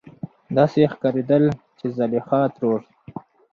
داسې ښکارېدل چې زليخا ترور